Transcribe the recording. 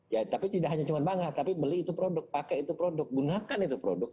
ya tapi tidak hanya cuma bangga tapi beli itu produk pakai itu produk gunakan itu produk